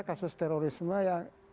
kasus terorisme yang